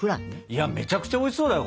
いやめちゃくちゃおいしそうだよ